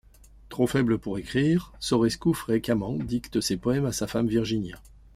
Trop faible pour écrire, Sorescu fréquemment dicte ses poèmes à sa femme Virginia.